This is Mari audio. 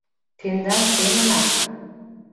— Тендан семынак.